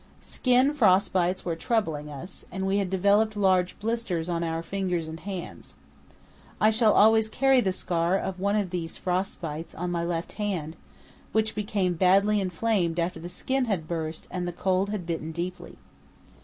Skin frost bites were troubling us, and we had developed large blisters on our fingers and hands. I shall always carry the scar of one of these frost bites on my left hand, which became badly inflamed after the skin had burst and the cold had bitten deeply.